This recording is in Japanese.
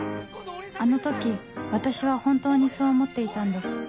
あの時私は本当にそう思っていたんです